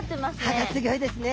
歯がすギョいですね。